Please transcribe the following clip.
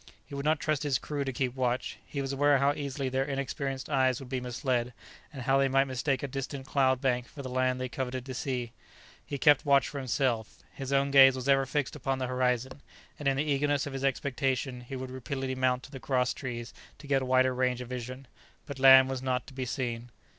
He would not trust his crew to keep watch; he was aware how easily their inexperienced eyes would be misled, and how they might mistake a distant cloud bank for the land they coveted to see; he kept watch for himself; his own gaze was ever fixed upon the horizon; and in the eagerness of his expectation he would repeatedly mount to the cross trees to get a wider range of vision. But land was not to be seen.